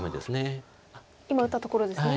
今打ったところですね。